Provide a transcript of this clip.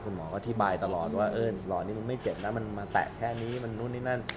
คุณหมอก็อธิบายตลอดว่าเออหล่อนี้มันไม่เจ็บนะมันมาแตะแค่นี้มันนู่นนี่นั่น